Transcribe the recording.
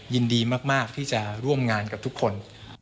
ยินดีมากที่จะร่วมงานกับทุกคน